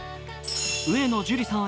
上野樹里さん